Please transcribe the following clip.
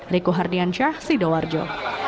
riku hardian syah sido warjo